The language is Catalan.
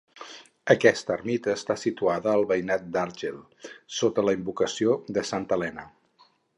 Aquesta ermita està situada al veïnat d'Agell, sota la invocació de Santa Helena.